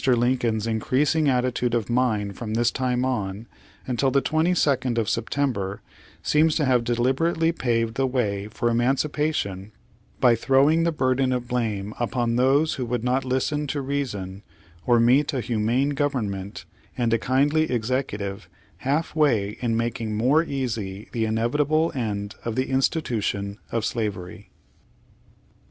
Lincoln's increasing attitude Page Sixty four of mind from this time on, until the 22nd of Sep tember, seems to have deliberately paved the way for emancipation by throwing the burden of blame upon those who would not listen to reason, or meet a humane government and a kindly Executive half way in making more easy the inevitable end of the institution of slavery.